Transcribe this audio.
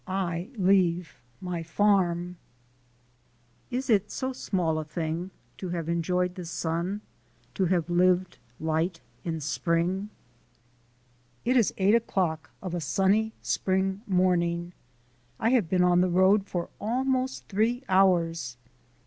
I LEAVE MY FARM "Is it so small a thing To have enjoyed the sun, To have lived light in spring?" It is eight o'clock of a sunny spring morning. I have been on the road for almost three hours.